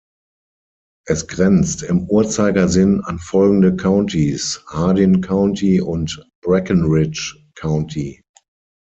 Es grenzt im Uhrzeigersinn an folgende Countys: Hardin County und Breckinridge County.